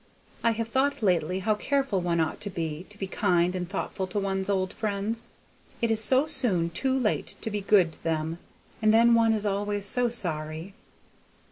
I have thought lately how careful one ought to be, to be kind and thoughtful to one's old friends. It is so soon too late to be good to them, and then one is always so sorry."